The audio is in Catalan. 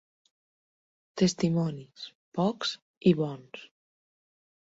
Testimonis, pocs i bons.